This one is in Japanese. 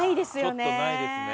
ちょっとないですね。